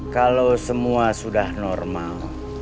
kalau semua sudah normal